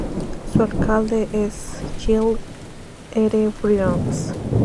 Su alcalde es Gil R. Briones.